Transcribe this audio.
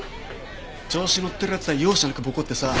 調子のってる奴は容赦なくボコってさ。